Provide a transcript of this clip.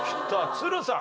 都留さん。